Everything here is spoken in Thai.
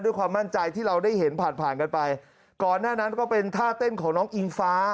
ความมั่นใจที่เราได้เห็นผ่านผ่านกันไปก่อนหน้านั้นก็เป็นท่าเต้นของน้องอิงฟ้า